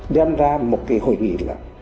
đem ra một cái hội nghỉ là